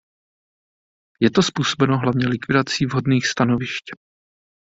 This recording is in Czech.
Je to způsobeno hlavně likvidaci vhodných stanovišť.